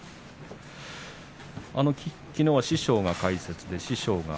きのうは師匠が解説でした。